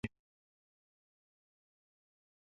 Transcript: Jugaba de portero y militó en diversos equipos de Chile.